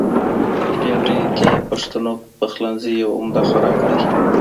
بېنډۍ د پښتو پخلنځي یو عمده خوراک دی